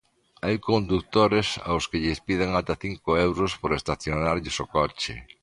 Hai condutores aos que lles piden ata cinco euros por estacionarlles o coche.